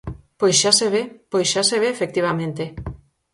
¡Pois xa se ve, pois xa se ve, efectivamente!